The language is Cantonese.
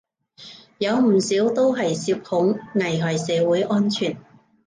有唔少都係涉恐，危害社會安全